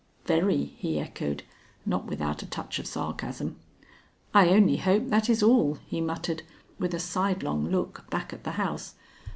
"Very," he echoed, not without a touch of sarcasm. "I only hope that is all," he muttered, with a sidelong look back at the house.